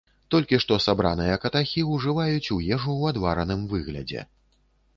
Толькі што сабраныя катахі ўжываюць у ежу ў адвараным выглядзе.